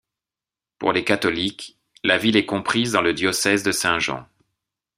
Pour le catholiques, la ville est comprise dans le diocèse de Saint-Jean.